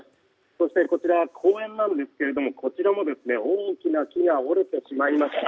そしてこちらは公園なんですがこちらも大きな木が折れてしまいました。